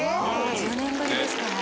１０年ぶりですか。